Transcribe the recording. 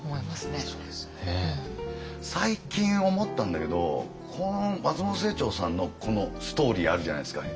最近思ったんだけどこの松本清張さんのこのストーリーあるじゃないですか。